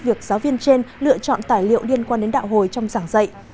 việc giáo viên trên lựa chọn tài liệu liên quan đến đạo hồi trong giảng dạy